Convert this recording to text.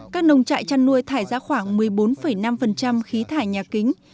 các nông trại chăn nuôi thải ra khoảng một mươi bốn năm khí thải nhà kính